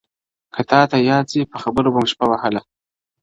کۀ تاته ياد سي پۀ خبرو بۀ مو شپه وهله,